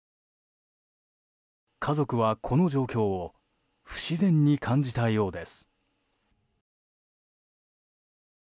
家族は、この状況を不自然に感じたようです。